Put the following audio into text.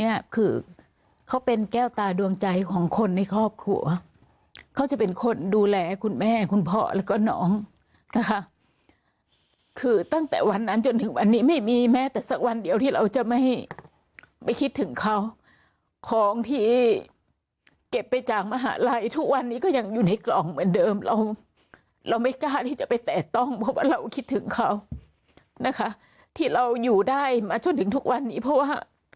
เนี่ยคือเขาเป็นแก้วตาดวงใจของคนในครอบครัวเขาจะเป็นคนดูแลคุณแม่คุณพ่อแล้วก็น้องนะคะคือตั้งแต่วันนั้นจนถึงวันนี้ไม่มีแม้แต่สักวันเดียวที่เราจะไม่ไม่คิดถึงเขาของที่เก็บไปจากมหาลัยทุกวันนี้ก็ยังอยู่ในกล่องเหมือนเดิมเราเราไม่กล้าที่จะไปแตะต้องเพราะว่าเราคิดถึงเขานะคะที่เราอยู่ได้มาจนถึงทุกวันนี้เพราะว่า